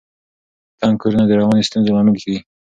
تنګ کورونه د رواني ستونزو لامل کیږي.